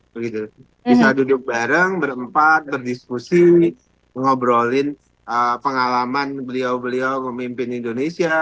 bisa duduk bareng berempat berdiskusi mengobrolin pengalaman beliau beliau memimpin indonesia